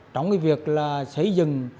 trong cái việc là xây dựng